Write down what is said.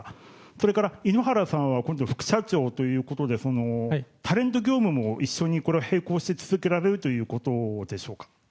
それから井ノ原さんは今度副社長ということで、タレント業務も一緒に並行して続けられるということでしょうか。